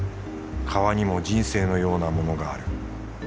川にも人生のようなものがある。